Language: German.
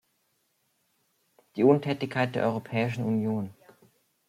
Der Untätigkeit der Europäischen Union.